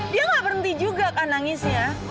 dia gak berhenti juga kan nangisnya